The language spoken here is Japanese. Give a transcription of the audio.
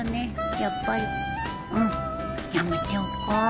やっぱりうんやめておこう